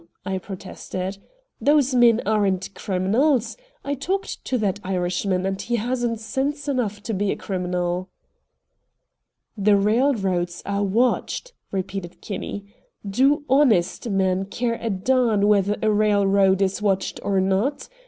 I protested. "Those men aren't criminals. I talked to that Irishman, and he hasn't sense enough to be a criminal." "The railroads are watched," repeated Kinney. "Do HONEST men care a darn whether the railroad is watched or not?